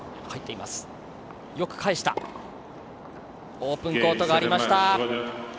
オープンコートがありました。